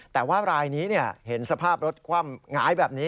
แต่ว่ารายนี้เห็นสภาพรถคว่ำหงายแบบนี้